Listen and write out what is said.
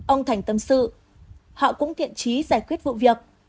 ông thành tâm sự họ cũng thiện trí giải quyết vụ việc